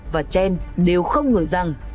và chen đều không ngờ rằng